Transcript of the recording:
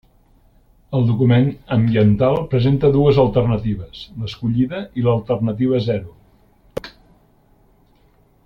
El document ambiental presenta dues alternatives, l'escollida i l'alternativa zero.